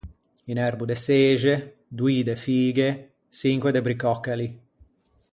Un erbo de çexe, doî de fighe, çinque de bricòccali.